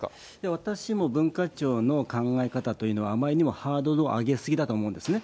私も文化庁の考え方というのは、あまりにもハードルを上げ過ぎだと思うんですね。